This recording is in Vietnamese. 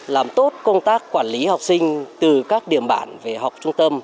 làm tốt công tác quản lý học sinh từ các điểm bản về học trung tâm